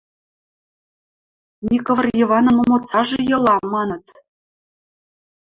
— Микывыр Йыванын момоцажы йыла, — маныт.